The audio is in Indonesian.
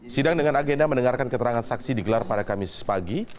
sidang dengan agenda mendengarkan keterangan saksi digelar pada kamis pagi